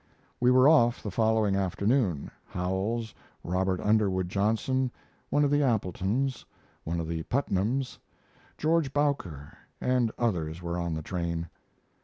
We were off the following afternoon: Howells, Robert Underwood Johnson, one of the Appletons, one of the Putnams, George Bowker, and others were on the train.